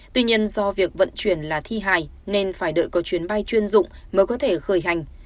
tuy nhiên do việc vận chuyển là thi hài nên phải đợi có chuyến bay chuyên dụng mới có thể khởi hành